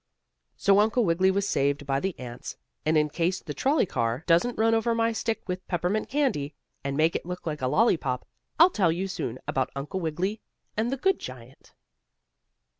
So Uncle Wiggily was saved by the ants, and in case the trolley car doesn't run over my stick of peppermint candy, and make it look like a lolly pop, I'll tell you soon about Uncle Wiggily and the good giant.